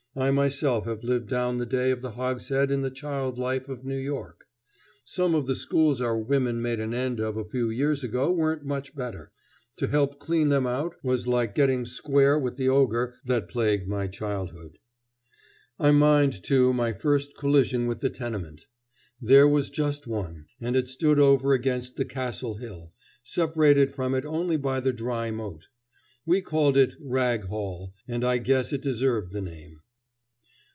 I myself have lived down the day of the hogshead in the child life of New York. Some of the schools our women made an end of a few years ago weren't much better. To help clean them out was like getting square with the ogre that plagued my childhood. I mind, too, my first collision with the tenement. There was just one, and it stood over against the castle hill, separated from it only by the dry moat. We called it Rag Hall, and I guess it deserved the name.